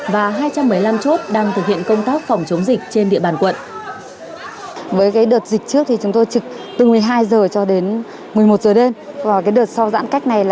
và hai trăm một mươi năm chốt đang thực hiện công tác phòng chống dịch trên địa bàn quận